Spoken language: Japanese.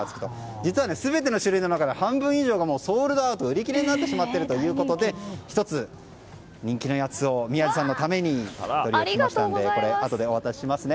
実は全ての種類の中で半分以上がソールドアウト、売り切れになっているということで１つ、人気のやつを宮司さんのために取り置きましたのであとでお渡しますね。